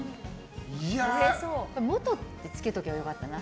元ってつけておけばよかったな。